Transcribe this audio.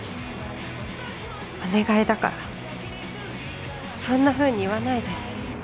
お願いだからそんなふうに言わないで